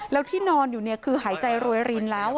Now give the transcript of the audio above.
แล้วที่นอนอยู่คือหายใจรวยรินแล้ว